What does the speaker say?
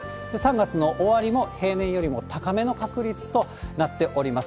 ３月の終わりも平年よりも高めの確率となっております。